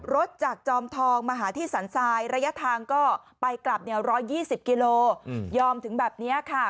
รถจากจอมทองมาหาที่สรรทรายระยะทางก็ไปกลับ๑๒๐กิโลยอมถึงแบบนี้ค่ะ